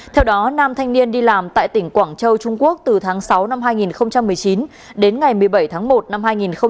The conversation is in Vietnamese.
theo đó nam thanh niên đi làm tại tỉnh quảng châu trung quốc từ tháng sáu năm hai nghìn một mươi chín đến ngày một mươi bảy tháng một năm hai nghìn hai mươi